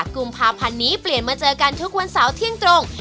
กุมภาพันธ์นี้เปลี่ยนมาเจอกันทุกวันเสาร์เที่ยงตรง